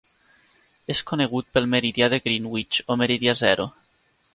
És conegut pel meridià de Greenwich o meridià zero.